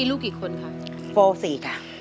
ร้องได้ให้ร้าง